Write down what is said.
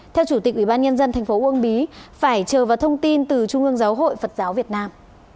theo chủ tịch ủy ban nhân dân thành phố uông bí phải chờ vào thông tin từ trung ương giáo hội phật giáo việt nam